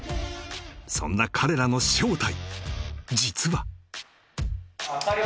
そんな彼らの正体